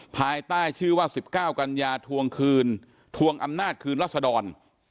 ภายใต้ชื่อว่า๑๙กัญญาทวงคืนทวงอำนาจคืนรัศดร